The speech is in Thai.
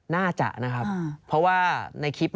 น่าจะนะครับ